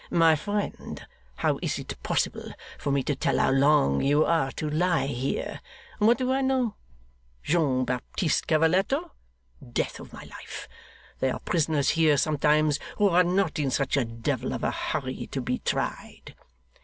'My friend, how is it possible for me to tell how long you are to lie here? What do I know, John Baptist Cavalletto? Death of my life! There are prisoners here sometimes, who are not in such a devil of a hurry to be tried.